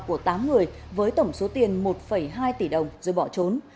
của tám người với tổng số tiền một hai tỷ đồng rồi bỏ trốn